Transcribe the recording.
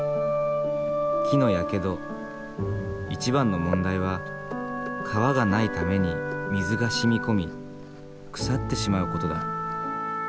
木のやけど一番の問題は皮がないために水が染み込み腐ってしまうことだ。